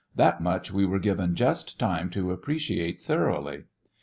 That much we were given just time to appreciate thoroughly.